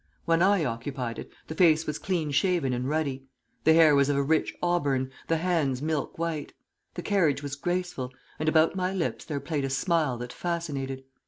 When I occupied it, the face was clean shaven and ruddy. The hair was of a rich auburn, the hands milk white. The carriage was graceful, and about my lips there played a smile that fascinated.